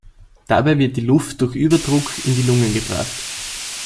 Dabei wird die Luft durch Überdruck in die Lungen gebracht.